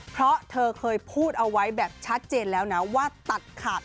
เพราะเธอเคยพูดเอาไว้แบบชัดเจนแล้วนะว่าตัดขาด